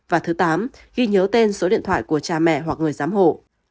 và thứ tám ghi nhớ tên số điện thoại của cha mẹ hoặc người giám hộ